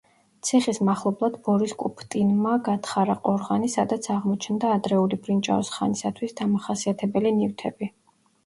ციხის მახლობლად ბორის კუფტინმა გათხარა ყორღანი, სადაც აღმოჩნდა ადრეული ბრინჯაოს ხანისათვის დამახასიათებელი ნივთები.